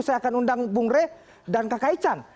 saya akan undang bang ray dan kak ican